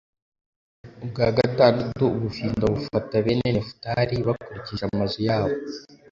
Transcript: ubwa gatandatu, ubufindo bufata bene nefutali bakurikije amazu yabo